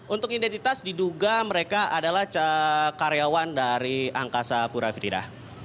untuk identitas diduga mereka adalah karyawan dari angkasa pura frida